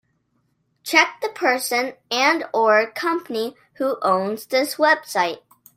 Check the person and/or company who owns this website.